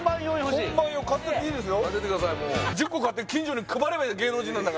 今晩用買っていいですよ